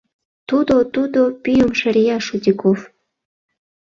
— Тудо-тудо... — пӱйым шырия Шутиков.